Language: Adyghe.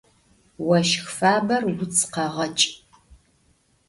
Voşx faber vuts kheğeç'.